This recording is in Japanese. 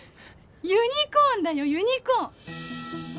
ユニコーンだよユニコーン！